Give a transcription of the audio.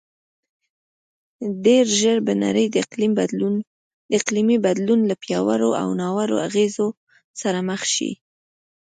ډېرژر به نړی د اقلیمې بدلون له پیاوړو او ناوړو اغیزو سره مخ شې